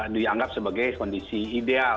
dianggap sebagai kondisi ideal